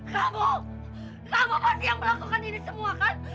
kamu kamu pasti yang melakukan ini semua kan